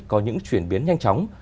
có những chuyển biến nhanh chóng